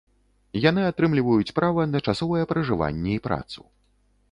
Яны атрымліваюць права на часовае пражыванне і працу.